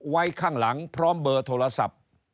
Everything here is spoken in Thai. ไว้ข้างหลังพร้อมเบอร์โทรศัพท์